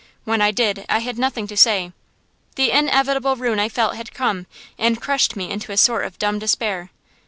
When I did I had nothing to say. The inevitable ruin I felt had come, and crushed me into a sort of dumb despair.